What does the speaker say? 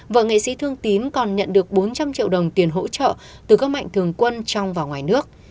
vợ nghệ sĩ thương tín còn nhận được bốn trăm linh triệu đồng tiền hỗ trợ từ các mạnh thường quân trong và ngoài nước